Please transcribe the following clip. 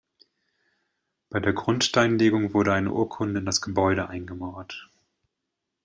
Bei der Grundsteinlegung wurde eine Urkunde in das Gebäude eingemauert.